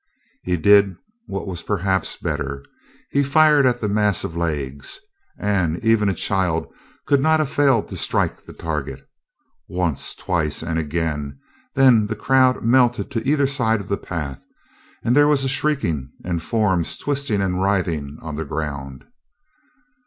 He did what was perhaps better; he fired at that mass of legs, and even a child could not have failed to strike the target. Once, twice, and again; then the crowd melted to either side of the path, and there was a shrieking and forms twisting and writhing on the ground.